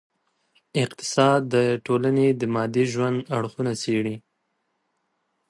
اقتصاد د ټولني د مادي ژوند اړخونه څېړي.